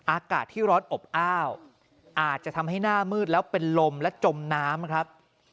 อากาศที่ร้อนอบอ้าวอาจจะทำให้หน้ามืดแล้วเป็นลมและจมน้ำครับ